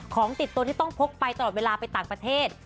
ของติดตัวที่ต้องพกไปตลอดเวลาไปต่างประเทศ